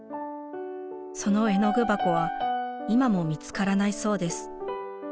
その絵の具箱は今も見つからないそうです。